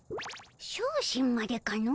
小心までかの。